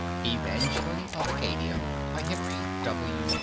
EVANGELINE OF ACADIA By Henry W.